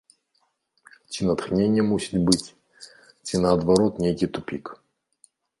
Ці натхненне мусіць быць, ці наадварот нейкі тупік.